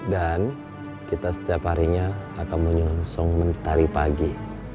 dan kita setiap harinya akan menyusung mentari pagi